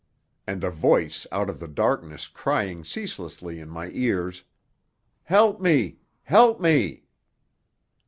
And a voice out of the darkness crying ceaselessly in my ears: "Help me! Help me!"